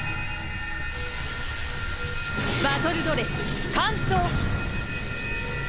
バトルドレス換装。